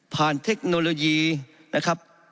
เทคโนโลยีนะครับ